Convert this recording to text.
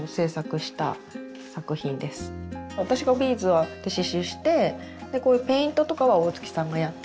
私がビーズで刺しゅうしてこういうペイントとかは大月さんがやってみたいな。